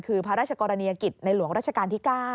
คือพระราชกรณียกิจในหลวงราชการที่๙